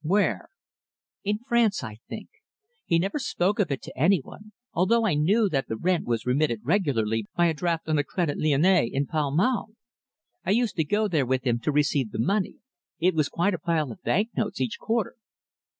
"Where?" "In France, I think. He never spoke of it to any one, although I knew that the rent was remitted regularly by a draft on the Credit Lyonnais in Pall Mall. I used to go there with him to receive the money. It was quite a pile of banknotes each quarter."